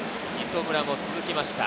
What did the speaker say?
磯村も続きました。